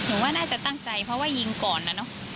ว่าน่าจะตั้งใจเพราะว่ายิงก่อนนะเนอะ